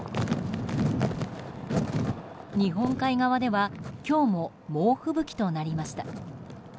日本海側では今日も猛吹雪となりました。